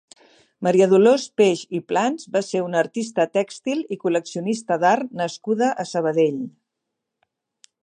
Maria Dolors Peig i Plans va ser una artista tèxtil i col·leccionista d'art nascuda a Sabadell.